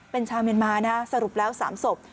เป็นชาวเมียนมานะสรุปแล้ว๓ศพ